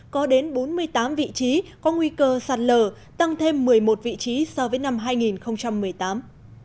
có đến bốn mươi tám vị trí có nguy cơ sạt lở tăng thêm một mươi một vị trí so với năm hai nghìn một mươi tám